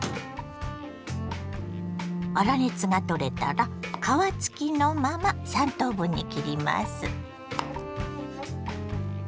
粗熱が取れたら皮付きのまま３等分に切ります。